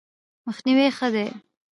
مخنیوی ښه دی.